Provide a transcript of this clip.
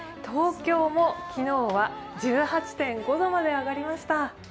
東京も昨日は１８．５度まで上がりました。